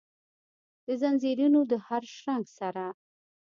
دځنځیرونو د هرشرنګ سره،